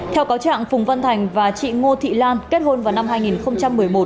theo cáo trạng phùng văn thành và chị ngô thị lan kết hôn vào năm hai nghìn một mươi một